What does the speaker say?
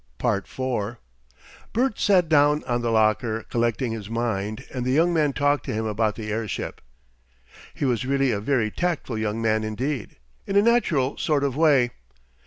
4 Bert sat down on the locker, collecting his mind, and the young man talked to him about the airship. He was really a very tactful young man indeed, in a natural sort of way.